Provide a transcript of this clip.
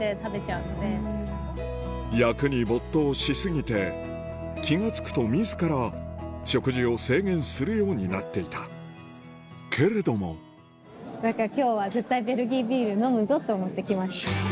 役に没頭し過ぎて気が付くと自ら食事を制限するようになっていたけれども今日は。と思って来ました。